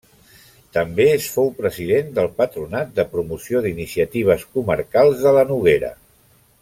També és fou president del Patronat de Promoció d'Iniciatives Comarcals de la Noguera.